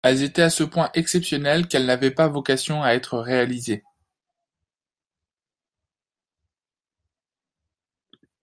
Elles étaient à ce point exceptionnelles qu’elles n’avaient pas vocation à être réalisées.